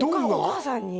お母さんに？